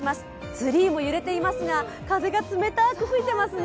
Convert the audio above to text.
ツリーも揺れていますが、風が冷たく吹いていますね。